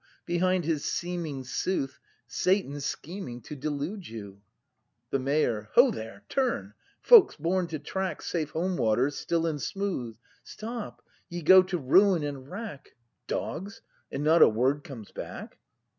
behind his seeming sooth Satan scheming to delude you! i» The Mayor. Ho there! Turn! Folks born to track Safe home waters still and smooth! Stop! — ye go to ruin and wrack! — (Dogs! And not a word comes back!)